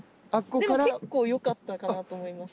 でも、結構よかったかなと思います。